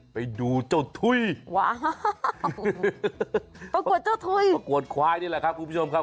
ไปดูเจ้าถุยว้าวประกวดเจ้าถุยประกวดควายนี่แหละครับคุณผู้ชมครับ